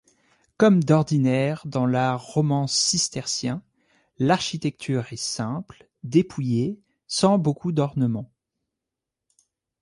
Comme d'ordinaire dans l'art roman cistercien, l'architecture est simple, dépouillée, sans beaucoup d'ornements.